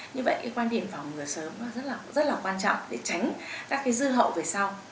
như vậy quan điểm phòng ngừa sớm rất là quan trọng để tránh các dư hậu về sau